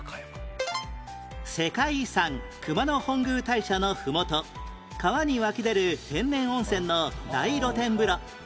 世界遺産熊野本宮大社のふもと川に湧き出る天然温泉の大露天風呂